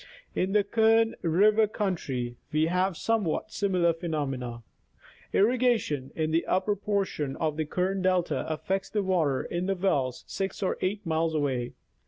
In the Kern river country, we have a somewhat similar phenomenon. Irrigation, in the upper portion of the Kern delta, afiiects the water in the wells 6 or 8 miles away.